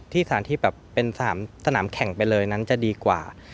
สถานที่แบบเป็นสนามแข่งไปเลยนั้นจะดีกว่า